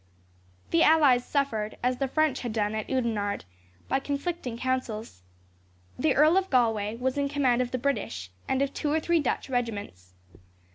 The allies suffered, as the French had done at Oudenarde, by conflicting counsels. The Earl of Galway was in command of the British, and of two or three Dutch regiments.